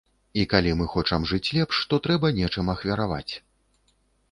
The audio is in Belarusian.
І калі мы хочам жыць лепш, то трэба нечым ахвяраваць.